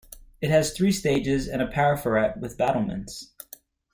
It has three stages and a parapet with battlements.